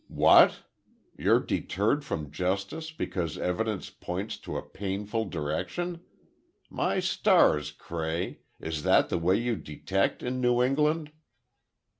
"What! You're deterred from justice because evidence points in a painful direction! My stars, Cray! is that the way you detect in New England!"